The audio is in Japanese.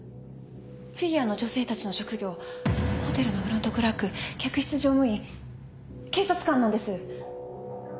フィギュアの女性たちの職業ホテルのフロントクラーク客室乗務員警察官なんです。